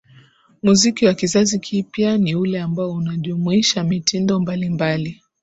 Muziki wa kizazi kipya ni ule ambao unajumuisha mitindo mbali mbali